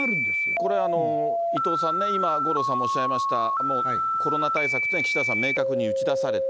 これ、伊藤さんね、今、五郎さんもおっしゃいました、もうコロナ対策って岸田さん明確に打ち出された。